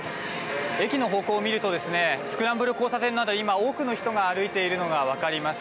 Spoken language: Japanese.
駅の方向を見るとスクランブル交差点など今、多くの人が歩いているのが分かります。